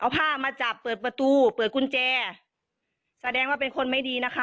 พี่แจร์แสดงว่าเป็นคนไม่ดีนะคะ